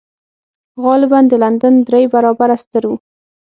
غالباً د لندن درې برابره ستر و.